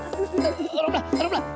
orang belakang orang belakang